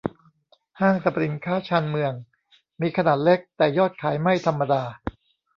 ห้างสรรพสินค้าชานเมือง มีขนาดเล็ก แต่ยอดขายไม่ธรรมดา